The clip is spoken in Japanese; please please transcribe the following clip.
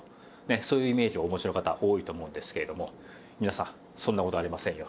そういうイメージをお持ちの方多いと思うんですけれども皆さんそんな事ありませんよ。